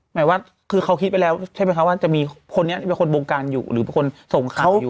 หมายว่าคือเขาคิดไปแล้วใช่ไหมคะว่าจะมีคนนี้เป็นคนวงการอยู่หรือเป็นคนส่งข่าวอยู่